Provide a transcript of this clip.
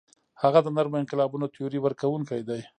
هغه د نرمو انقلابونو تیوري ورکوونکی دی.